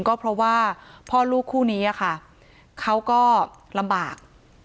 ก็เพราะว่าพ่อลูกคู่นี้ค่ะเขาก็ลำบาก